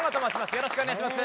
よろしくお願いします。